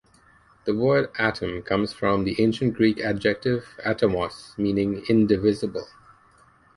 The word "atom" comes from the Ancient Greek adjective "atomos", meaning "indivisible".